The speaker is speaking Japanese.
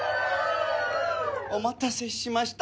お待たせしました。